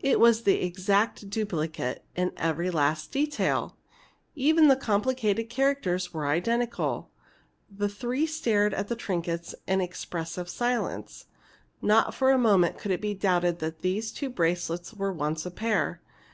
It was the exact duplicate in every last detail! Even the complicated characters were identical! The three stared at the trinkets in an expressive silence. Not for a moment could it be doubted that these two bracelets were once a pair.